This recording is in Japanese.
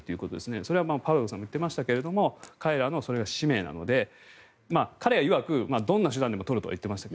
それはパルドさんも言っていましたが彼らの使命なので彼いわくどんな手段でも取るとは言っていましたが。